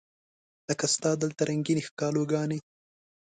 لکه ستا دلته رنګینې ښکالو ګانې